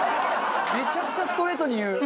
めちゃくちゃストレートに言う！